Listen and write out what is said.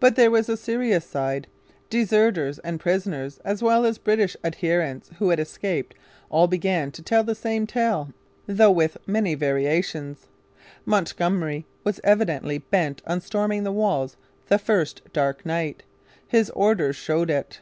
But there was a serious side. Deserters and prisoners, as well as British adherents who had escaped, all began to tell the same tale, though with many variations. Montgomery was evidently bent on storming the walls the first dark night. His own orders showed it.